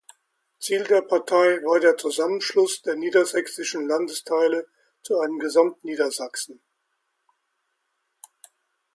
Ziel der Partei war der Zusammenschluss der niedersächsischen Landesteile zu einem Gesamt-Niedersachsen.